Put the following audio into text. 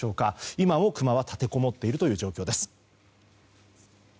今もクマは立てこもっている状況です。